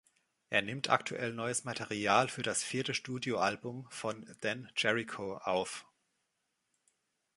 Er nimmt aktuell neues Material für das vierte Studio-Album von Then Jerico auf.